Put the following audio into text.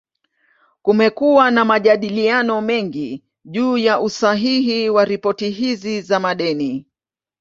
Kumekuwa na majadiliano mengi juu ya usahihi wa ripoti hizi za madeni.